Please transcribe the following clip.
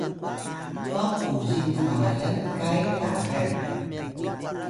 ba kuzing kmayan kay Tayan